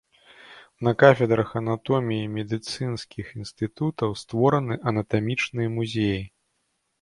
На кафедрах анатоміі медыцынскіх інстытутаў створаны анатамічныя музеі.